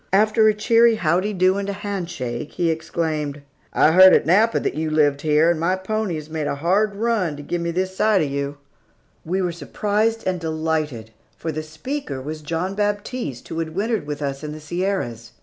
After a cheery "Howdy do" and a hand shake, he exclaimed, "I heard at Napa that you lived here, and my pony has made a hard run to give me this sight of you." We were surprised and delighted, for the speaker was John Baptiste who had wintered with us in the Sierras.